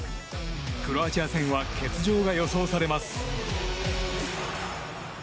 クロアチア戦は欠場が予想されます。